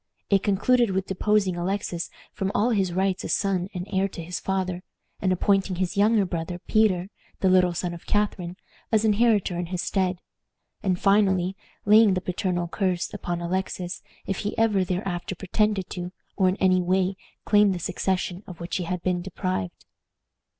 It concluded with deposing Alexis from all his rights as son and heir to his father, and appointing his younger brother Peter, the little son of Catharine, as inheritor in his stead; and finally laying the paternal curse upon Alexis if he ever thereafter pretended to, or in any way claimed the succession of which he had been deprived.